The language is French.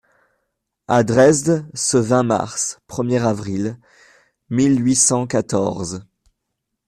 »À Dresde, ce vingt mars (premier avril) mille huit cent quatorze.